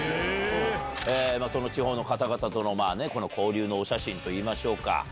地方の方々との交流のお写真といいましょうか。